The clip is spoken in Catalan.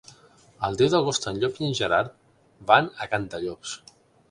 El deu d'agost en Llop i en Gerard van a Cantallops.